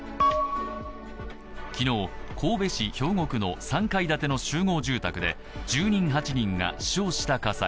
昨日、神戸市兵庫の３階建ての集合住宅で住人８人が死傷した火災。